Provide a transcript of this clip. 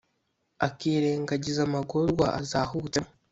akirengagiza amagorwa azahutsemo,